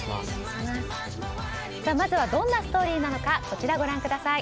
まずはどんなストーリーなのかこちらをご覧ください。